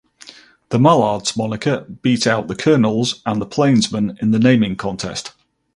The "Mallards" moniker beat out the "Kernels" and the "Plainsmen" in the naming contest.